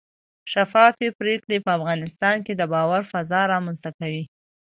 شفافې پرېکړې په افغانستان کې د باور فضا رامنځته کوي